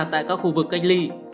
tại các khu vực cách ly